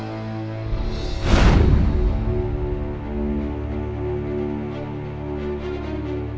saya tidak ingin saya tinggal diminggu ini bisa berburu keseluruhan orang